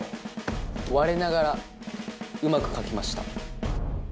われながらうまく描けました。